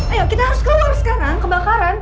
ayo kita harus keluar sekarang kebakaran